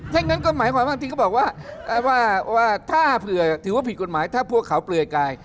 เท่านั้นก็หมายความจริงก็บอกว่าถ้าถือว่าผิดกฎหมายถ้าพวกเขาเปลือยกาย